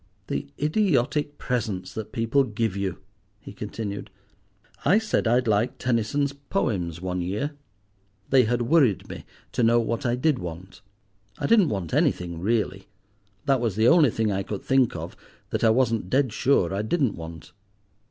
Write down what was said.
"The idiotic presents that people give you!" he continued. "I said I'd like Tennyson's poems one year. They had worried me to know what I did want. I didn't want anything really; that was the only thing I could think of that I wasn't dead sure I didn't want.